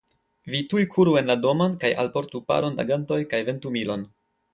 Vi tuj kuru en la domon kaj alportu paron da gantoj kaj ventumilon.